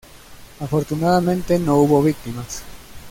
Afortunadamente, no hubo víctimas.